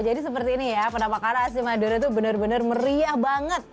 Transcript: jadi seperti ini ya penampakannya nasi madura itu benar benar meriah banget